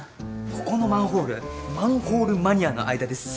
ここのマンホールマンホールマニアの間ですっごい有名でさ。